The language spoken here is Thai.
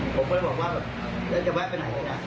ผมเลยบอกว่าแล้วจะแวะไปไหนกันนะ